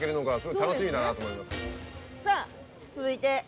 さあ続いて。